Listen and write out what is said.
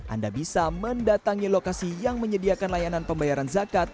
anda bisa mendatangi lokasi yang menyediakan layanan pembayaran zakat